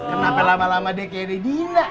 kenapa lama lama deh kaya dihina